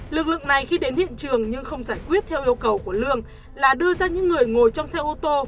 lực lượng này khi đến hiện trường nhưng không giải quyết theo yêu cầu của lương là đưa ra những người ngồi trong xe ô tô